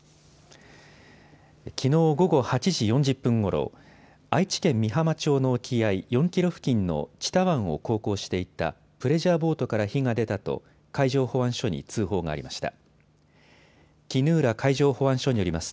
きのう午後８時４０分ごろ、愛知県美浜町の沖合４キロ付近の知多湾を航行していたプレジャーボートから火が出たと海上保安署に通報がありました。